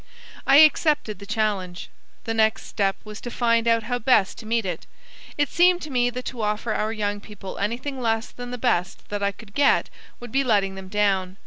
I accepted the challenge. The next step was to find out how best to meet it. It seemed to me that to offer our young people anything less than the best that I could get would be letting them down.